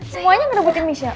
semuanya ngenebutin michelle